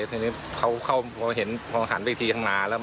ทีนี้เขาเห็นหันไปที่ที่ทางมา